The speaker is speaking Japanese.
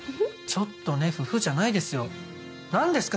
「ちょっとねぇフフっ」じゃないですよ何ですか？